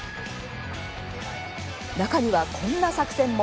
中にはこんな作戦も。